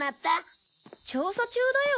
調査中だよ。